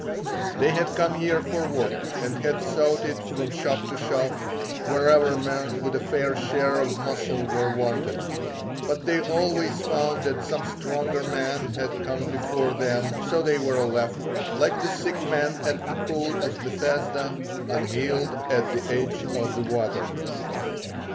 They had come here for work and had sought it from shop to shop, wherever men with a fair share of muscle were wanted; but they always found that some stronger man had come before them so they were left, like the sick man at the Pool of Bethesda, unhealed at the edge of the water.